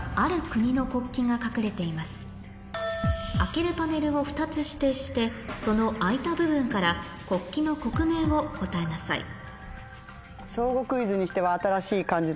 開けるパネルを２つ指定してその開いた部分から国旗の国名を答えなさい『小５クイズ』にしては。